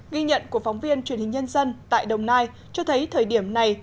ghi nhận của phóng viên truyền hình nhân dân tại đồng nai cho thấy thời điểm này